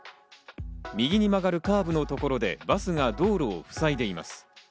右に曲がるカーブの所で、バスが道路をふさいでいます。